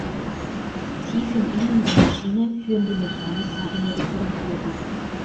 Tief im Innern der Maschine führen die Mechaniker eine Reparatur durch.